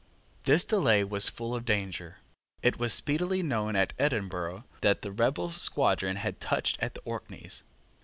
This delay was full of danger. It was speedily known at Edinburgh that the rebel squadron had touched at the Orkneys.